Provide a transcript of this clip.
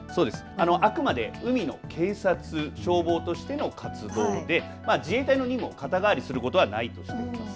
あくまで海の警察、消防としての活動で自衛隊の任務を肩代わりすることはないとしています。